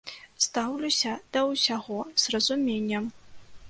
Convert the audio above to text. Стаўлюся да ўсяго, з разуменнем.